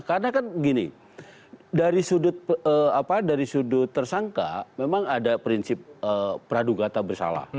karena kan begini dari sudut tersangka memang ada prinsip pradugata bersalah